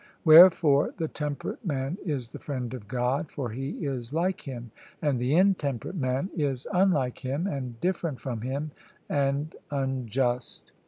Wherefore the temperate man is the friend of God, for he is like Him; and the intemperate man is unlike Him, and different from Him, and unjust.